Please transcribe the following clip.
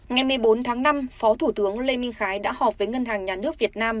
ngày một mươi bốn tháng năm phó thủ tướng lê minh khái đã họp với ngân hàng nhà nước việt nam